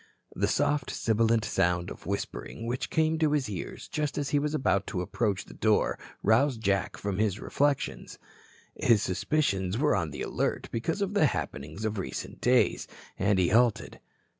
The soft sibilant sound of whispering which came to his ears just as he was about to approach the door roused Jack from his reflections. His suspicions were on the alert because of the happenings of recent days, and he halted.